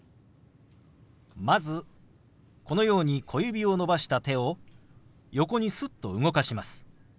まずこのように小指を伸ばした手を横にすっと動かします。